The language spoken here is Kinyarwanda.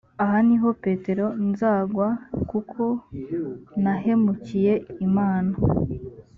aha ni ho petero nzagwa kuko nahemukiye imana